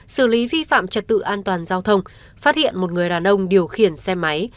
xử lý vi phạm trật tự an toàn giao thông phát hiện một người đàn ông điều khiển xe máy